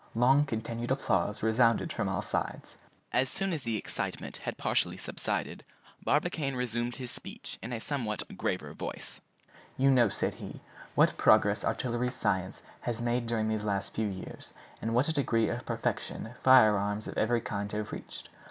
Long continued applause resounded from all sides. As soon as the excitement had partially subsided, Barbicane resumed his speech in a somewhat graver voice. "You know," said he, "what progress artillery science has made during the last few years, and what a degree of perfection firearms of every kind have reached.